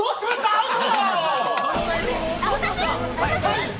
アウト！